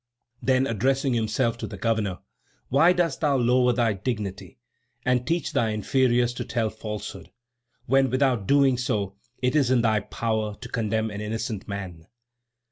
Then, addressing himself to the governor: "Why dost thou lower thy dignity, and teach thy inferiors to tell falsehood, when without doing so it is in thy power to condemn an innocent man?"